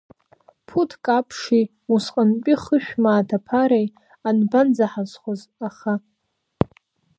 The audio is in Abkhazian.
Ԥуҭк аԥши усҟантәи хышә мааҭ аԥареи анбанӡаҳазхоз, аха…